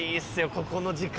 ここの時間。